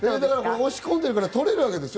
押し込んでるから取れるわけでしょ？